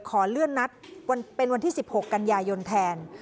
ขอเลื่อนนัดเป็นวันที่๑๖กันยายนแทน